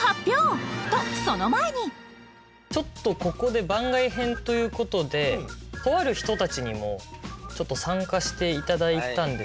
ちょっとここで番外編ということでとある人たちにもちょっと参加して頂いたんですけど。